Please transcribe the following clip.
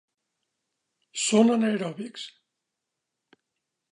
Són anaeròbics.